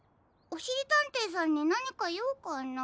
おしりたんていさんになにかようかな？